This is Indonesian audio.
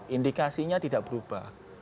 indikasinya tidak berubah